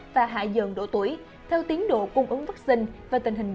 và hạ dần độ tuổi theo tiến độ cung ứng vaccine